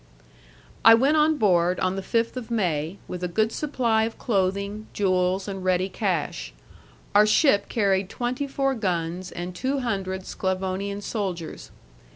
I went on board, on the 5th of May, with a good supply of clothing, jewels, and ready cash. Our ship carried twenty four guns and two hundred Sclavonian soldiers.